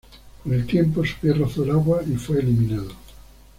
Con el tiempo, su pie rozó el agua, y fue eliminado.